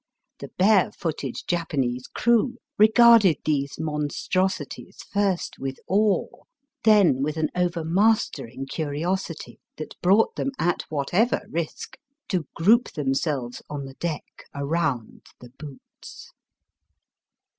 The bare footed Japanese crew regarded these monstrosities first with awe, then with an overmastering curiosity that brought them, at whatever risk, to group themselves on the deck around the boots.